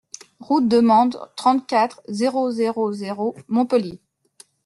Route de Mende, trente-quatre, zéro zéro zéro Montpellier